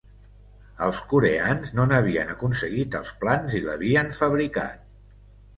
Els coreans no n’havien aconseguit els plans i l’havien fabricat.